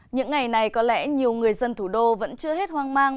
những ngày này có lẽ nhiều người dân thủ đô vẫn chưa hết hoang mang